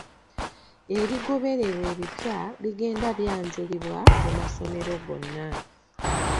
Ebigobererwa ebipya bigenda byanjulibwa mu masomero gonna.